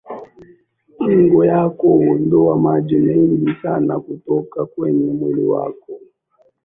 figo yako huondoa maji mengi sana kutoka kwenye mwili wako